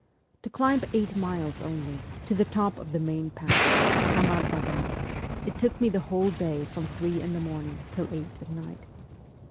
To climb eight miles only, to the top of the main pass, Khamar daban, it took me the whole day from three in the morning till eight at night.